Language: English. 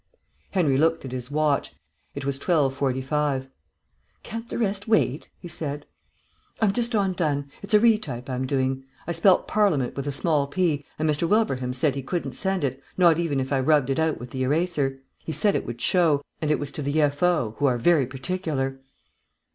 Henry looked at his watch. It was twelve forty five. "Can't the rest wait?" he said. "I'm just on done. It's a re type I'm doing. I spelt parliament with a small p, and Mr. Wilbraham said he couldn't send it, not even if I rubbed it out with the eraser. He said it would show, and it was to the F.O., who are very particular."